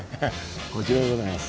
こちらでございます。